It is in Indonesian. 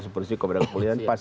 supersi kepada kepolisian